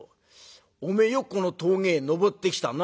おめえよくこの峠へ登ってきたな」。